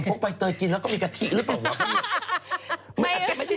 นมโพกใบเตยกินแล้วก็มีกะทิหรือเปล่าหรือเปล่าพี่